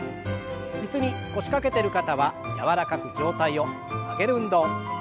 椅子に腰掛けてる方は柔らかく上体を曲げる運動。